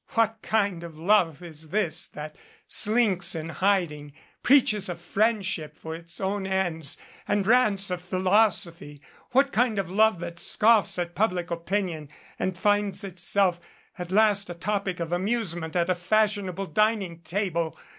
"What kind of love is this that slinks in hiding, preaches of friendship for its own 249 MADCAP ends and rants of philosophy? What kind of love that scoffs at public opinion and finds itself at last a topic of amusement at a fashionable dining table?